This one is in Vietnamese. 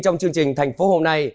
trong chương trình thành phố hôm nay